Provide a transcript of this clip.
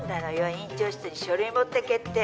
院長室に書類持ってけって。